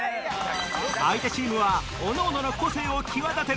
相手チームはおのおのの個性を際立てる